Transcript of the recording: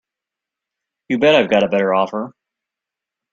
You bet I've got a better offer.